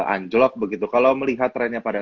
anjlok begitu kalau melihat trennya pada